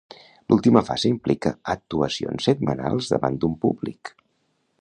L'última fase implica actuacions setmanals davant d'un públic.